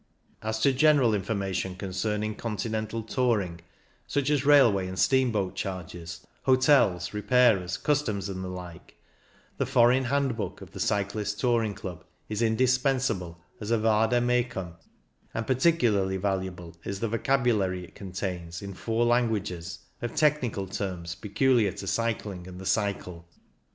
As to general information concerning continental touring, such as railway and steamboat charges, hotels, repairers, cus toms and the like, the Foreign Hand book of the Cyclists* Touring Club is indispensable as a vade mecum^ and par ticularly valuable is the vocabulary it contains, in four languages, of technical terms peculiar to cycling and the cycle.